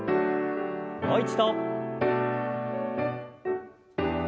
もう一度。